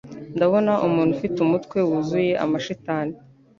Ndabona umuntu ufite umutwe wuzuye amashitani